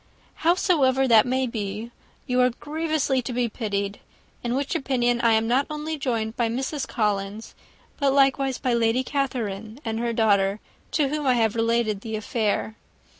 Howsoever that may be, you are grievously to be pitied; in which opinion I am not only joined by Mrs. Collins, but likewise by Lady Catherine and her daughter, to whom I have related the affair.